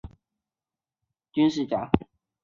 是近代史上重要的革命家和军事家。